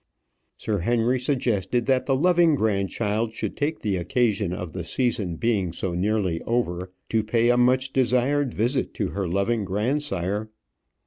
Sir Henry suggested that the loving grandchild should take the occasion of the season being so nearly over to pay a much desired visit to her loving grandsire.